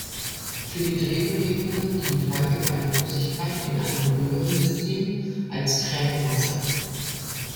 Für die Drehbewegungen dient häufig eine Flüssigkeit in einem Röhrensystem als träge Masse.